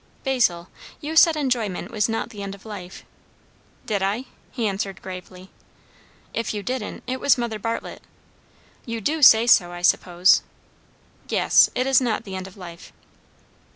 "Basil you said enjoyment was not the end of life" "Did I?" he answered gravely. "If you didn't, it was Mother Bartlett. You do say so, I suppose?" "Yes. It is not the end of life."